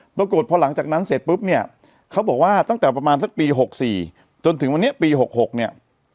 ปรากฏพอหลังจากนั้นเสร็จปุ๊บเนี่ยเขาบอกว่าตั้งแต่ประมาณสักปี๖๔จนถึงวันนี้ปี๖๖เนี่ย